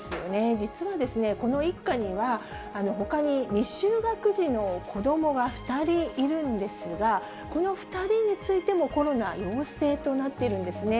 実はこの一家には、ほかに未就学児の子どもが２人いるんですが、この２人についてもコロナ陽性となっているんですね。